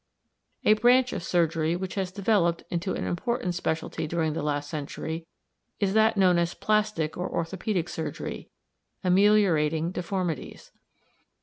A branch of surgery which has developed into an important specialty during the last century is that known as plastic and orthopædic surgery [ameliorating deformities].